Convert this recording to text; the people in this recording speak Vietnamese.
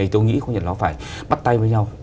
tôi nghĩ nó phải bắt tay với nhau